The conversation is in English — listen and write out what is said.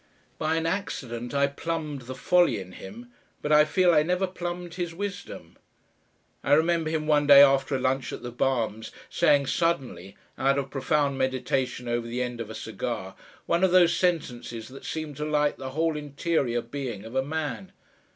By an accident I plumbed the folly in him but I feel I never plumbed his wisdom. I remember him one day after a lunch at the Barhams' saying suddenly, out of profound meditation over the end of a cigar, one of those sentences that seem to light the whole interior being of a man.